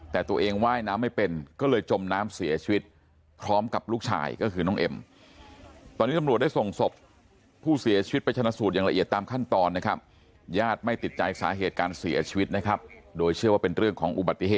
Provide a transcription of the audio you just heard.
แต่ตัวเองว่ายน้ำไม่เป็น